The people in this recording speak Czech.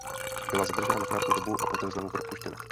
Byla zadržena na krátkou dobu a poté znovu propuštěna.